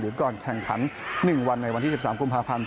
ก่อนแข่งขัน๑วันในวันที่๑๓กุมภาพันธ์